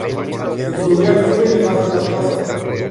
En su lugar suben y bajan la plaza.